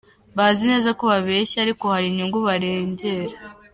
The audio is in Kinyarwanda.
Bazi neza ko babeshya ariko hari inyungu barengera.